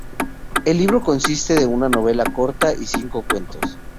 El libro consiste de una novela corta y cinco cuentos.